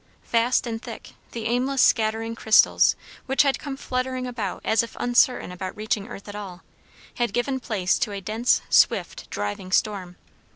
Fast and thick; the aimless scattering crystals, which had come fluttering about as if uncertain about reaching earth at all, had given place to a dense, swift, driving storm.